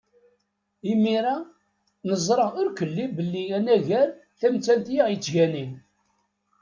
Imir-a, neẓra irkelli belli anagar tamettant i aɣ-yettganin.